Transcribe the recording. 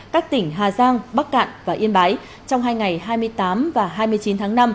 các tỉnh hà giang bắc cạn và yên bái trong hai ngày hai mươi tám và hai mươi chín tháng năm